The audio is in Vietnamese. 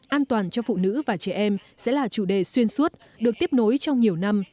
an toàn cho phụ nữ và trẻ em sẽ là chủ đề xuyên suốt được tiếp nối trong nhiều năm